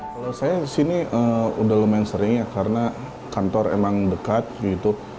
kalau saya kesini udah lumayan sering ya karena kantor emang dekat gitu